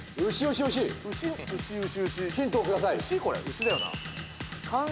牛だよな。